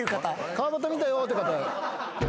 川畑見たよっていう方。